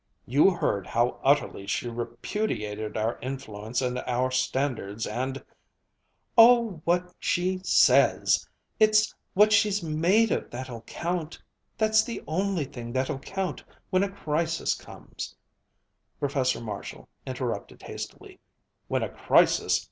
"You heard how utterly she repudiated our influence and our standards and " "Oh, what she says it's what she's made of that'll count that's the only thing that'll count when a crisis comes " Professor Marshall interrupted hastily: "When a crisis!